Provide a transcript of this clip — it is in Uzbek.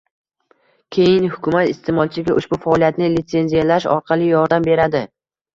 Keyin hukumat iste'molchiga ushbu faoliyatni litsenziyalash orqali yordam beradi